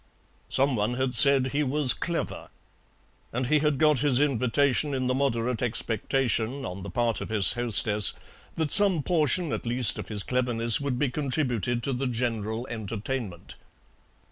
Some one had said he was "clever," and he had got his invitation in the moderate expectation, on the part of his hostess, that some portion at least of his cleverness would be contributed to the general entertainment.